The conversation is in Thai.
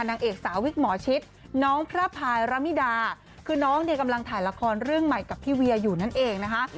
นางเอกสาววิกหมอชิตน้องพระพายระมิดาคือน้องเนี่ยกำลังถ่ายละครเรื่องใหม่กับพี่เวียอยู่นั่นเองนะคะ